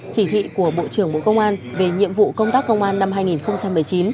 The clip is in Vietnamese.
chỉ thị của bộ trưởng bộ công an về nhiệm vụ công tác công an năm hai nghìn một mươi chín